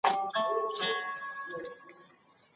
مخینه ئې لازمه ده.